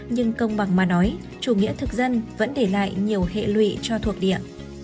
nhưng công bằng mà nói chủ nghĩa thực dân vẫn để lại nhiều hệ lụy cho thuộc địa